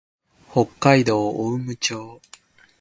北海道雄武町